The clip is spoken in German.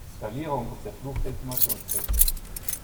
Skalierung ist der Fluch der Informationstechnik.